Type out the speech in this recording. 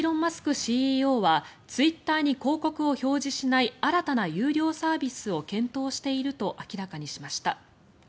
ＣＥＯはツイッターに広告を表示しない新たな有料サービスを検討していると明らかにしました。